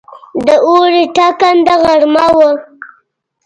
د اوړي ټکنده غرمه وه.